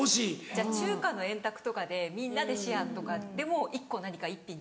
じゃあ中華の円卓とかでみんなでシェアとかでも１個何か１品